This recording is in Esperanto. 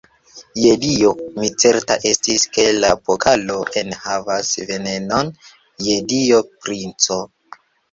Je Dio, mi certa estis, ke la pokalo enhavas venenon, je Dio, princo!